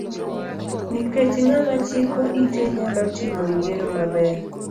Nikech ng'ama chiko ite nyalo timo yiero maber.